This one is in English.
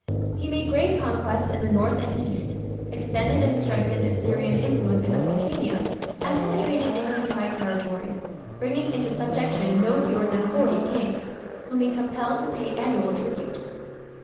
He made great conquests in the north and east, extended and strengthened Assyrian influence in Mesopotamia, and penetrated into Hittite territory, bringing into subjection no fewer than forty kings, whom he compelled to pay annual tribute.